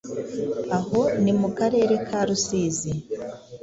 aho ni mu Karere ka Rusizi